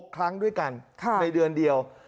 ๖ครั้งด้วยกันในเดือนเดียว